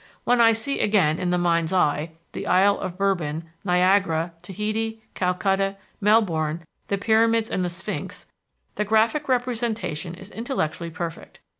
When I see again, in the mind's eye, the Isle of Bourbon, Niagara, Tahiti, Calcutta, Melbourne, the Pyramids and the Sphinx, the graphic representation is intellectually perfect.